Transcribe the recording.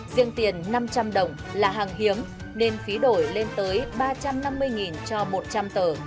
riêng tiền năm trăm linh đồng là hàng hiếm nên phí đổi lên tới ba trăm năm mươi cho một trăm linh tờ